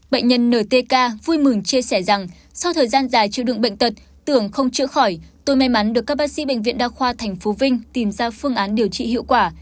bệnh nhân ntk vui mừng chia sẻ rằng sau thời gian dài chịu đựng bệnh tật tưởng không chữa khỏi tôi may mắn được các bác sĩ bệnh viện đa khoa tp vinh tìm ra phương án điều trị hiệu quả